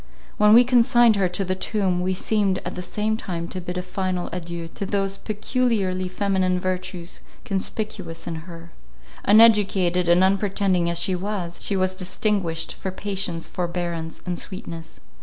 When we consigned her to the tomb, we seemed at the same time to bid a final adieu to those peculiarly feminine virtues conspicuous in her; uneducated and unpretending as she was, she was distinguished for patience, forbearance, and sweetness.